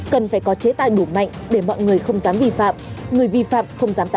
cần phải có chế tài đủ mạnh để mọi người không dám vi phạm